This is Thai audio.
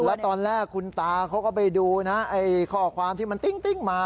แล้วตอนแรกคุณตาเขาก็ไปดูนะไอ้ข้อความที่มันติ้งมา